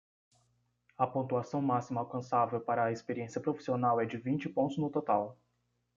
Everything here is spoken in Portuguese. A pontuação máxima alcançável para a experiência profissional é de vinte pontos no total.